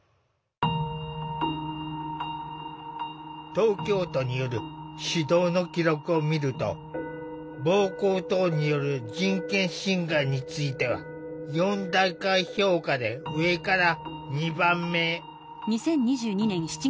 東京都による指導の記録を見ると暴行等による人権侵害については４段階評価で上から２番目。